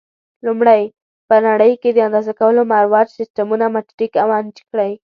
لومړی: په نړۍ کې د اندازه کولو مروج سیسټمونه مټریک او انچ دي.